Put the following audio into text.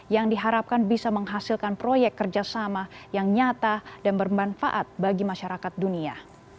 yang diharapkan bisa menghasilkan proyek kerjasama yang nyata dan bermanfaat bagi masyarakat dunia